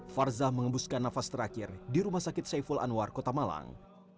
farzah mengembuskan nafas terakhir di rumah sakit saiful anwar kota malang